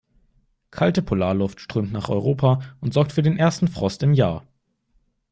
Kalte Polarluft strömt nach Europa und sorgt für den ersten Frost im Jahr.